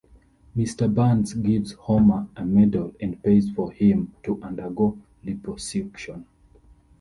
Mr. Burns gives Homer a medal and pays for him to undergo liposuction.